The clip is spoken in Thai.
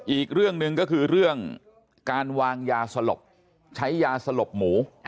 อีกเรื่องหนึ่งก็คือเรื่องการวางยาสลบใช้ยาสลบหมู